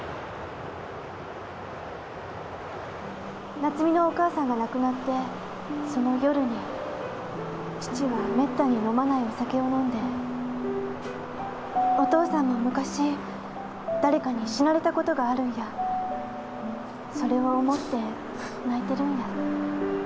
夏海のお母さんが亡くなってその夜に父はめったに飲まないお酒を飲んで「お父さんも昔誰かに死なれたことがあるんや」「それを思って泣いてるんや」